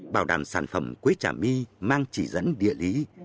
bảo đảm sản phẩm quế trà my mang chỉ dẫn địa lý